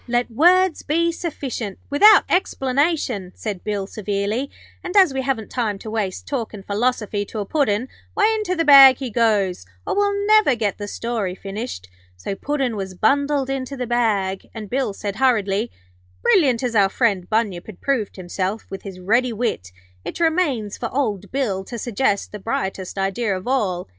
'Let words be sufficient, without explanation,' said Bill, severely. 'And as we haven't time to waste talkin' philosophy to a Puddin', why, into the bag he goes, or we'll never get the story finished.' So Puddin' was bundled into the bag, and Bill said, hurriedly: 'Brilliant as our friend Bunyip had proved himself with his ready wit, it remains for old Bill to suggest the brightest idea of all.